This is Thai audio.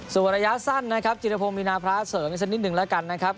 ส่วนระยะสั้นนะครับจิรพงศ์มีนาพระเสริมอีกสักนิดหนึ่งแล้วกันนะครับ